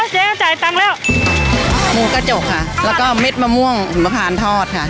เจ๊จ่ายตังค์แล้วหมูกระจกค่ะแล้วก็เม็ดมะม่วงหุมพานทอดค่ะ